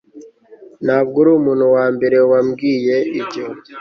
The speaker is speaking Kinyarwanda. Ntabwo uri umuntu wambere wambwiye ibyo